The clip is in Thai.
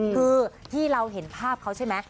คือที่เราเห็นภาพเขาใช่ไหม